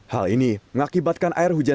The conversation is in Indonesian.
hal ini mengakibatkan kisah dan kesalahan